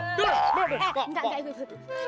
pak pak pak